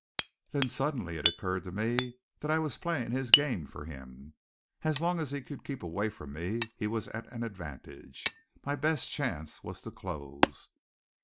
Then suddenly it occurred to me that I was playing his game for him. As long as he could keep away from me, he was at an advantage. My best chance was to close.